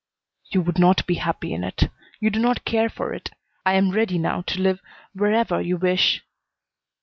"You would not be happy in it. You do not care for it. I am ready now to live wherever you wish."